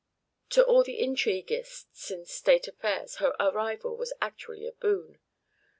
To all the intriguists in state affairs her arrival was actually a boon.